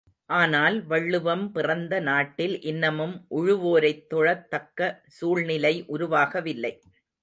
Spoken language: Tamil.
ஆனால், வள்ளுவம் பிறந்த நாட்டில் இன்னமும் உழுவோரைத் தொழத்தக்க சூழ்நிலை உருவாகவில்லை.